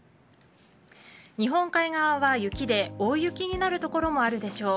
日本海側は雪で大雪になる所もあるでしょう。